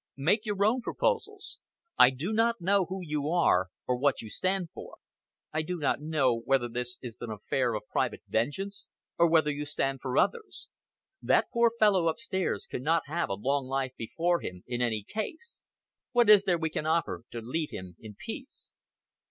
Make your own proposals. I do not know who you are or what you stand for. I do not know whether this is an affair of private vengeance, or whether you stand for others. That poor fellow upstairs cannot have a long life before him in any case. What is there we can offer you to leave him in peace?"